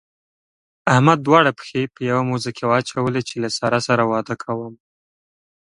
احمد دواړه پښې په يوه موزه کې واچولې چې له سارا سره واده کوم.